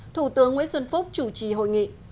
thủ tướng nguyễn xuân phúc chủ trì hội nghị